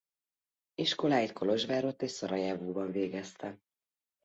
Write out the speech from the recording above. Iskoláit Kolozsvárott és Szarajevóban végezte.